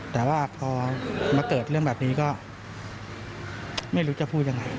แต่ว่าพอมาเกิดเรื่องแบบนี้ก็ไม่รู้จะพูดยังไง